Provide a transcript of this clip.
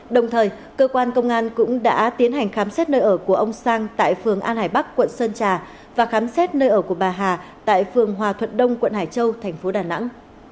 đồng thời cơ quan công an cũng đã tiến hành khám xét nơi ở của ông sang tại phường an hải bắc quận sơn trà và khám xét nơi ở của bà hà tại phường hòa thuận đông quận hải châu thành phố đà nẵng